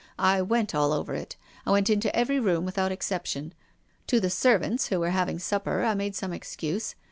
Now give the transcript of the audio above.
I went all over it. I went into every room without exception. To the servants, who were having supper, I made some excuse.